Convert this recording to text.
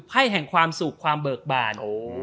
แห่งความสุขความเบิกบาน